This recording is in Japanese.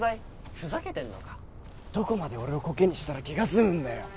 ふざけてんのかどこまで俺をコケにしたら気が済むんだよ